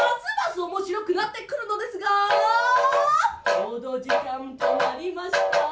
ちょうど時間となりました